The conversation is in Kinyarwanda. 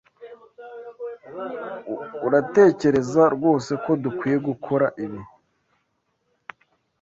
Uratekereza rwose ko dukwiye gukora ibi?